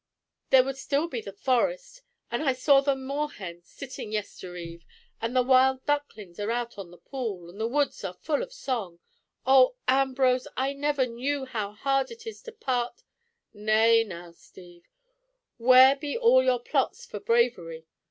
"There would still be the Forest! And I saw the moorhen sitting yester eve! And the wild ducklings are out on the pool, and the woods are full of song. Oh! Ambrose! I never knew how hard it is to part—" "Nay, now, Steve, where be all your plots for bravery?